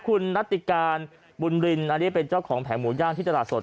คุณนัติการบุญรินอันนี้เป็นเจ้าของแผงหมูย่างที่ตลาดสด